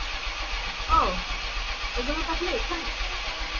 ওহ্, এগুলো তাহলে এখানে?